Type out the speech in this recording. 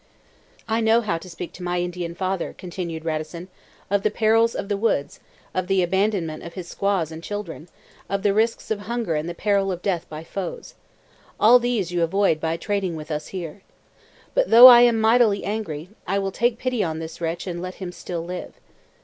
"I know how to speak to my Indian father," continued Radisson, "of the perils of the woods, of the abandonment of his squaws and children, of the risks of hunger and the peril of death by foes. All these you avoid by trading with us here. But although I am mightily angry, I will take pity on this wretch and let him still live.